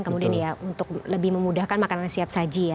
kemudian untuk lebih memudahkan makanan siap saji